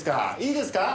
いいですか？